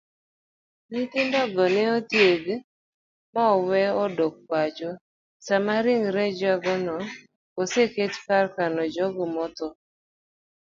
Nyithindogo ne othiedh maowe odok pacho sama ringre jagono oseter ekar kano jogo mothoo.